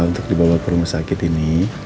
untuk dibawa ke rumah sakit ini